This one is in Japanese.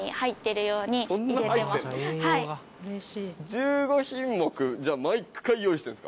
１５品目じゃあ毎回用意してるんですか？